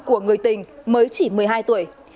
của người tình mới chỉ một mươi hai tuổi